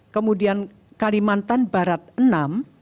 kemudian kalimantan barat vi